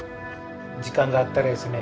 時間があったらですね